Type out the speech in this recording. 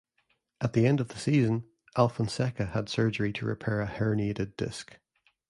At the end of the season, Alfonseca had surgery to repair a herniated disc.